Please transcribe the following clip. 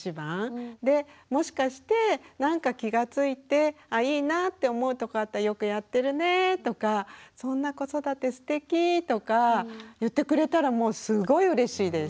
でもしかして何か気がついてあいいなぁって思うとこあったら「よくやってるね」とか「そんな子育てすてき」とか言ってくれたらもうすごいうれしいです。